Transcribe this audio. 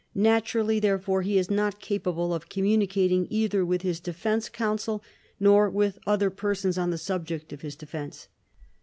Naturally therefore he is not capable of communicating either with his defense counsel nor with other persons on the subject of his defense.